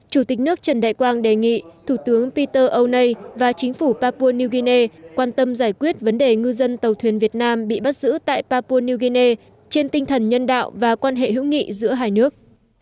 chủ tịch nước trần đại quang đề nghị thủ tướng peter âu nei và chính phủ papua new guinea quan tâm giải quyết vấn đề ngư dân tàu thuyền việt nam bị bắt giữ tại papua new guinea trên tinh thần nhân đạo và quan hệ hữu nghị giữa hai nước